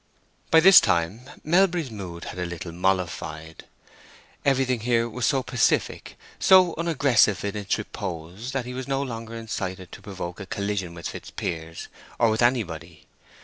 By this time Melbury's mood had a little mollified. Everything here was so pacific, so unaggressive in its repose, that he was no longer incited to provoke a collision with Fitzpiers or with anybody.